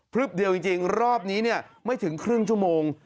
เดียวจริงรอบนี้เนี่ยไม่ถึงครึ่งชั่วโมง